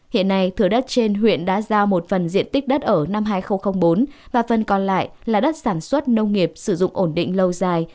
hiện nay thửa đất trên huyện đã giao một phần diện tích đất ở năm hai nghìn bốn và phần còn lại là đất sản xuất nông nghiệp sử dụng ổn định lâu dài